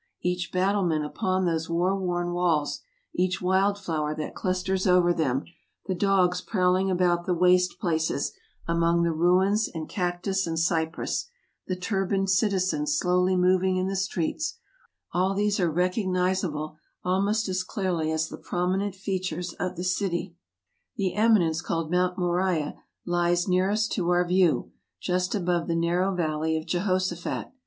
Each bat tlement upon those war worn walls, each wild flower that clusters over them ; the dogs prowling about the waste places among the ruins and cactus and cypress ; the turbaned citizen slowly moving in the streets ; all these are recogniz able almost as clearly as the prominent features of the city. The eminence called Mount Moriah lies nearest to our view, just above the narrow Valley of Jehoshaphat.